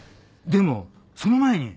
でもその前に。